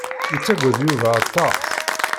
Yettagad Yuba aṭas.